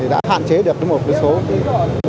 đã hạn chế được một số